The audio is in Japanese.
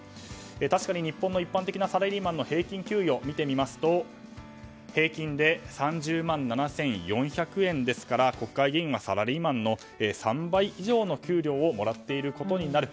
確かに日本の一般的なサラリーマンの平均給与を見てみますと平均で３０万７４００円ですから国会議員はサラリーマンの３倍以上の給料をもらっていることになる。